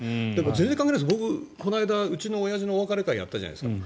全然関係ないですけど僕、この間、うちの親父のお別れ会をやったじゃないですか。